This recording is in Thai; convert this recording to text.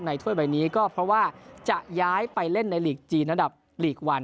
ถ้วยใบนี้ก็เพราะว่าจะย้ายไปเล่นในหลีกจีนระดับลีกวัน